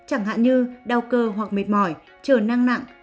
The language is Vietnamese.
chẳng hạn như đau cơ hoặc mệt mỏi chờ năng nặng